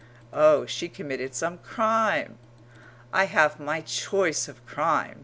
Oh, she committed some crime! I have my choice of crimes.